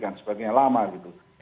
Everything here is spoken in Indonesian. dan sebagainya lama gitu